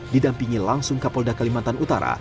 didampingi langsung kapolda kalimantan utara